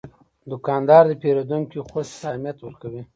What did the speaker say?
دوکاندار د پیرودونکي خوښي ته اهمیت ورکوي.